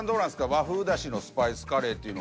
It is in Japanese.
和風だしのスパイスカレーっていうのは。